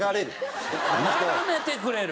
なだめてくれる。